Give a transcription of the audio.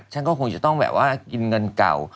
ฉันก็คงจะต้องแบบว่ากินเงินเก่า